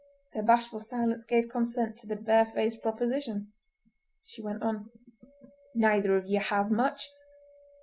Their bashful silence gave consent to the barefaced proposition. She went on. "Neither of ye has much!"